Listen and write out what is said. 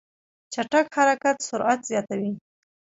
چټک حرکت سرعت زیاتوي.